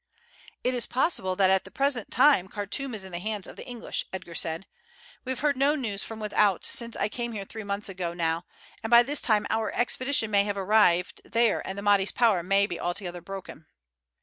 "It is possible that at the present time Khartoum is in the hands of the English," Edgar said. "We have heard no news from without since I came here three months ago now, and by this time our expedition may have arrived there and the Mahdi's power may be altogether broken."